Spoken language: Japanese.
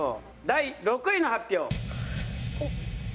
第６位の発表。